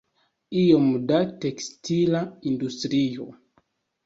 Iom da tekstila industrio.